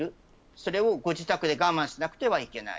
それをご自宅で我慢しなくてはいけない。